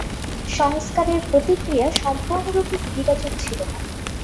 সংস্কারের প্রতিক্রিয়া সম্পূর্ণরূপে ইতিবাচক ছিল না।